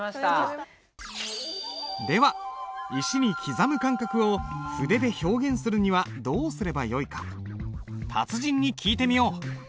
では石に刻む感覚を筆で表現するにはどうすればよいか達人に聞いてみよう。